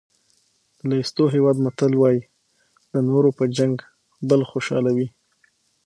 د لېسوتو هېواد متل وایي د نورو په جنګ بل خوشحاله وي.